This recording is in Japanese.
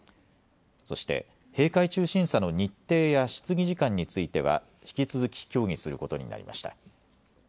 そして閉会中審査の日程や質疑時間については引き続き協議することになりました。